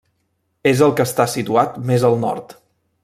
És el que està situat més al nord.